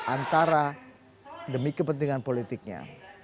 antara demi kepentingan politiknya